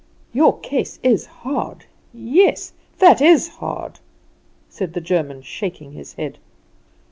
"Your case is hard; yes, that is hard," said the German, shaking his head.